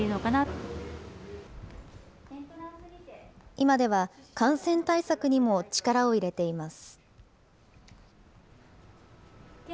今では感染対策にも力を入れています。